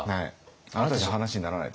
あなたじゃ話にならないと。